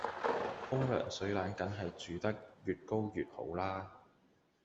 風涼水冷梗係住得越高越好啦